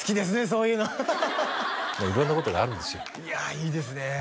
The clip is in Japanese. そういうのまあ色んなことがあるんですよいやいいですね